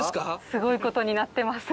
すごいことになってます。